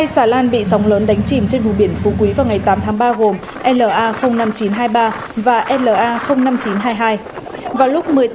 hai xà lan bị sóng lớn đánh chìm trên vùng biển phú quý vào ngày tám tháng ba gồm la năm nghìn chín trăm hai mươi ba và la năm nghìn chín trăm hai mươi hai